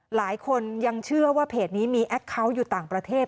หลายคนยังเชื่อว่าเพจนี้มีแอคเคาน์อยู่ต่างประเทศ